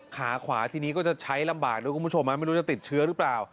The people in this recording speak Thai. ขาขวาทีนี้ก็จะใช้ลำบากด้วยคุณผู้ชมไม่รู้จะติดเชื้อหรือเปล่า